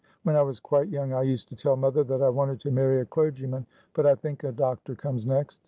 When I was quite young I used to tell mother that I wanted to marry a clergyman. But I think a doctor comes next.